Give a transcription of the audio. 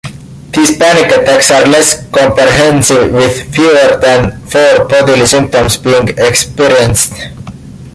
These panic attacks are less comprehensive, with fewer than four bodily symptoms being experienced.